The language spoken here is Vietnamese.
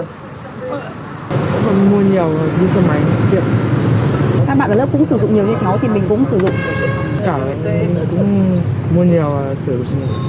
các bạn ở lớp cũng sử dụng nhiều như thế đó thì mình cũng sử dụng